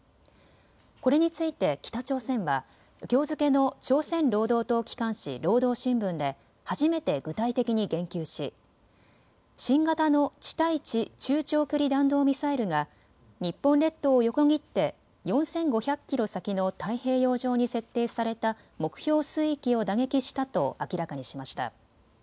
これについて北朝鮮はきょう付けの朝鮮労働党機関紙労働新聞で初めて具体的に言及し新型の地対地中長距離弾道ミサイルが日本列島を横切って４５００キロ先の太平洋上に設定された目標水域を打撃したと明らかにしました。